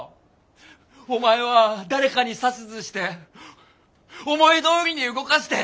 お前は誰かに指図して思いどおりに動かして。